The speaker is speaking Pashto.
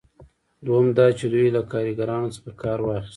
دوهم دا چې دوی له کاریګرانو څخه کار واخیست.